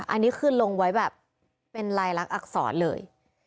อันนี้คือลงไว้แบบเป็นลายลักษณอักษรเลย